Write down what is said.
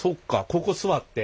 ここ座って。